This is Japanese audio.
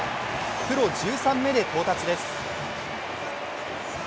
プロ１３年目で到達です。